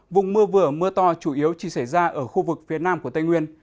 vùng mưa vừa mưa to chủ yếu chỉ xảy ra ở khu vực phía nam của tây nguyên